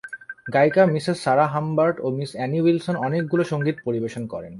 গায়িকা Mrs Sarah Humbert ও Miss Annie Wilson অনেকগুলি সঙ্গীত পরিবেশন করেন।